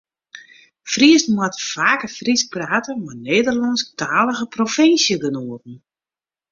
Friezen moatte faker Frysk prate mei Nederlânsktalige provinsjegenoaten.